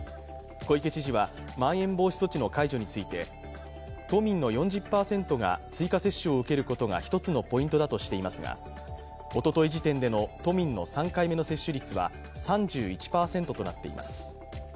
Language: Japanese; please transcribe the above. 小池知事は、まん延防止措置の解除について都民の４０％が追加接種を受けることが１つのポイントだとしていますがおととい時点での都民の３回目接種率は、３１％となっています。